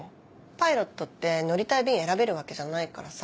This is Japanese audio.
パイロットって乗りたい便選べるわけじゃないからさ。